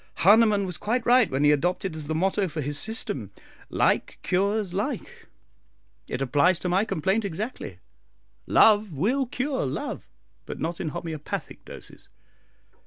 "Hahnemann was quite right when he adopted as the motto for his system, 'Like cures like,' It applies to my complaint exactly. Love will cure love, but not in homoeopathic doses."